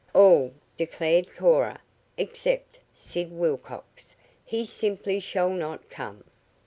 "All," declared Cora, "except Sid Wilcox. He simply shall not come."